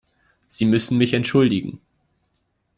Sie müssen mich entschuldigen.